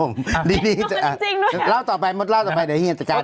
ครับผมดีนี่ต้องการจริงด้วยเล่าต่อไปหมดเล่าต่อไปเดี๋ยวเฮียนจะการเอง